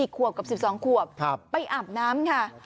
ขวบกับ๑๒ขวบไปอาบน้ำค่ะ